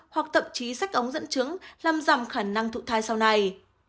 hoặc tậm chí sách ống dẫn trứng làm rằm khả năng thụ thai sau này